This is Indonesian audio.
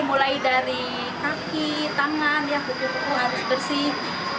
mulai dari kaki tangan kuku kuku harus bersih